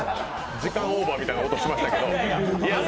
時間オーバーみたいな音しましたけど。